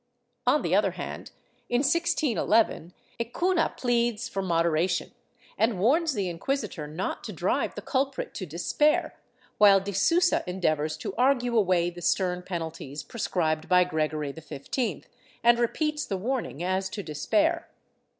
^ On the other hand, in 1611, a Cunha pleads for moderation, and warns the inquisitor not to drive the culprit to despair, while de Sousa endeavors to argue away the stern penalties prescribed by Gregory XV, and repeats the warning as to despair.